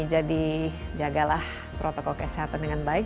jadi jagalah protokol kesehatan dengan baik